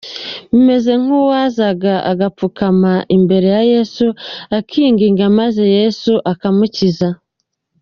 Bimeze nk'uwazaga agapfukama imbere ya Yesu akinginga maze Yesu akamukiza.